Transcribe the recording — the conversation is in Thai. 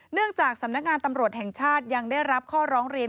จากสำนักงานตำรวจแห่งชาติยังได้รับข้อร้องเรียน